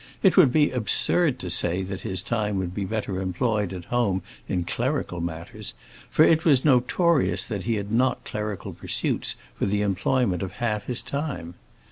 It would be absurd to say that his time would be better employed at home in clerical matters, for it was notorious that he had not clerical pursuits for the employment of half his time.